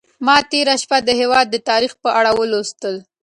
ما تېره شپه د هېواد د تاریخ په اړه ولوستل.